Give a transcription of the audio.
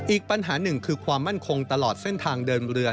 อีกปัญหาหนึ่งคือความมั่นคงตลอดเส้นทางเดินเรือ